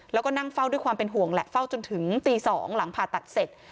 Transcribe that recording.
แล้วก็นั่งเฝ้าด้วยความเป็นห่วงแหละเฝ้าจนถึงตี๒หลังผ่าตัดเสร็จ